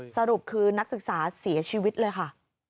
สรุปคือนักศึกษาเสียชีวิตเลยค่ะ